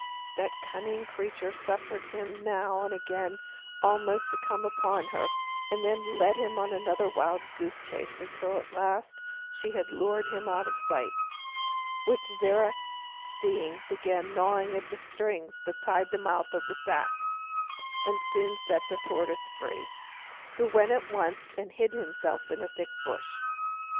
That cunning creature suffered him now and again almost to come up to her, and then led him another wild goose chase till at last she had lured him out of sight; which Zirac seeing, began gnawing the string that tied the mouth of the sack, and soon set free the tortoise, who went at once and hid himself in a thick bush.